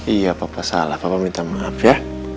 iya papa salah papa minta maaf ya